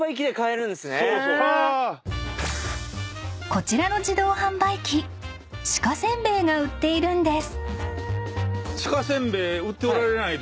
［こちらの自動販売機鹿せんべいが売っているんです］